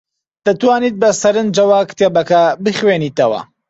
دەتوانیت بەسەرنجەوە کتێبەکە بخوێنیتەوە؟